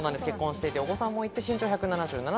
結婚していてお子さんもいて、身長１７７ｃｍ。